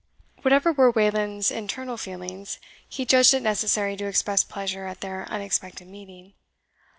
Whatever were Wayland's internal feelings, he judged it necessary to express pleasure at their unexpected meeting.